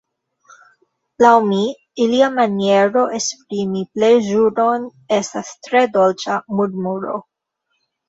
Laŭ mi, ilia maniero esprimi plezuron estas tre dolĉa murmuro.